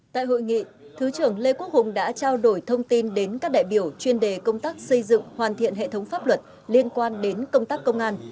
tại hội nghị thứ trưởng lê quốc hùng đã trao đổi thông tin đến các đại biểu chuyên đề công tác xây dựng hoàn thiện hệ thống pháp luật liên quan đến công tác công an